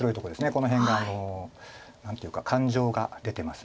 この辺が何というか感情が出てます。